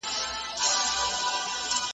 زه له سهاره د کتابتون د کار مرسته کوم!